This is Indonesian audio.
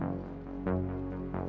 aku mau pergi